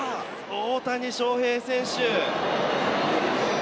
大谷翔平選手。